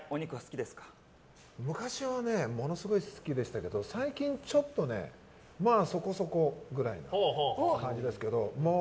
昔はものすごい好きでしたけど最近、ちょっとまあそこそこくらいの感じですけど。